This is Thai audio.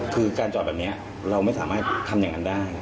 คือการจอดแบบนี้เราไม่สามารถทำอย่างนั้นได้